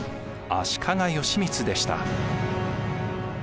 足利義満でした。